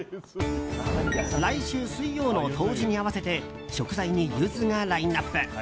来週水曜の冬至に合わせて食材にユズがラインアップ。